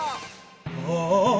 ああ！